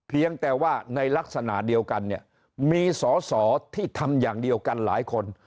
เพียงแต่ว่าในลักษณะเดียวกันเนี่ยมีสอสอที่ทำอย่างเดียวกันหลายคน